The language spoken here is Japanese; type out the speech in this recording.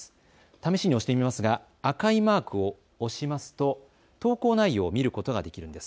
試しに押してみますが赤いマークを押しますと投稿内容を見ることができるんです。